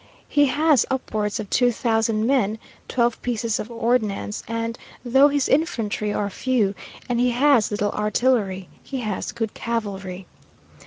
He has upwards of two thousand men, twelve pieces of ordnance, and, though his infantry are few, and he has little artillery, he has good cavalry.